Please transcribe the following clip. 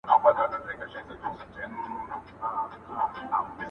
تور او سور، زرغون بیرغ رپاند پر لر او بر.